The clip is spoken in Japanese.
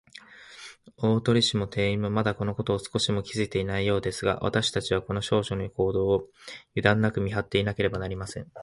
大鳥氏も店員も、まだ、このことを少しも気づいていないようですが、わたしたちは、この少女の行動を、ゆだんなく見はっていなければなりません。